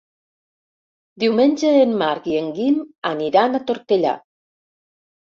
Diumenge en Marc i en Guim aniran a Tortellà.